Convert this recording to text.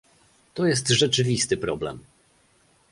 To jest rzeczywisty problem